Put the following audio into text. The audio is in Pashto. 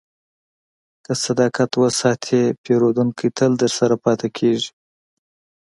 که صداقت وساتې، پیرودونکی تل درسره پاتې کېږي.